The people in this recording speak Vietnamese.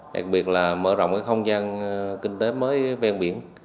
đặc biệt là mở rộng cái không gian kinh tế mới ven biển